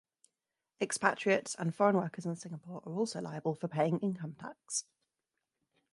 Expatriates and foreign workers in Singapore are also liable for paying income tax.